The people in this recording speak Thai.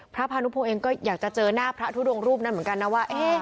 พานุพงศ์เองก็อยากจะเจอหน้าพระทุดงรูปนั้นเหมือนกันนะว่า